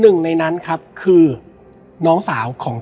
และวันนี้แขกรับเชิญที่จะมาเชิญที่เรา